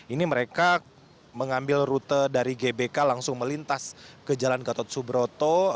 ini mereka mengambil rute dari gbk langsung melintas ke jalan gatot subroto